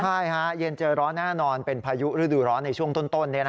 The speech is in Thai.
ใช่ฮะเย็นเจอร้อนแน่นอนเป็นพายุฤดูร้อนในช่วงต้น